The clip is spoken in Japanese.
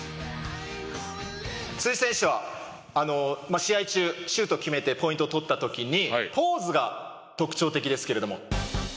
選手は試合中シュートを決めてポイントを取った時にポーズが特徴的ですけれども。